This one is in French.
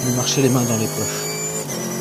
Il marchait les mains dans les poches.